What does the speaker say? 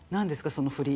その振り。